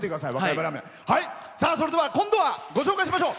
それでは今度ご紹介しましょう。